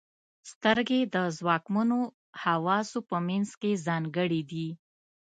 • سترګې د ځواکمنو حواسو په منځ کې ځانګړې دي.